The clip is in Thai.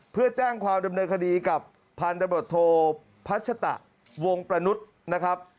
เพื่อแจ้งความดำเนินคดีกับพันธบทโทพัชตะวงประนุษย์นะครับ